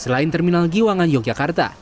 selain terminal giwangan yogyakarta